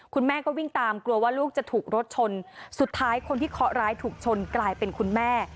คุณแม่ก็วิ่งตามกลัวว่าลูกจะถูกรถชนสุดท้ายคนที่เคาะร้ายถูกชนกลายเป็นคุณแม่